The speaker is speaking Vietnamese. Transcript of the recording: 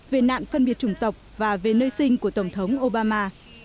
về nạn phân biệt chủng tộc và về nơi sinh của tổng thống obama